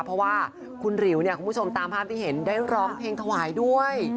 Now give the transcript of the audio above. เพราะว่าคุณหลิวเนี่ยคุณผู้ชมตามภาพที่เห็นได้ร้องเพลงถวายด้วย